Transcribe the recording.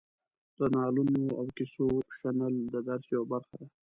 د نالونو او کیسو شنل د درس یوه برخه ده.